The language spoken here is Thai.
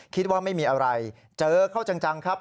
คิดว่าไม่มีอะไรเจอเขาจังครับ